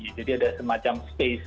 itu kita perlukan di masa seperti ini